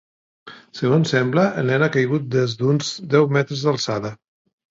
Segons sembla, el nen ha caigut des d’uns deu metres d’alçada.